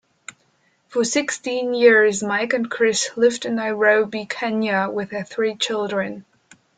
For sixteen years Mike and Chris lived in Nairobi, Kenya with their three children.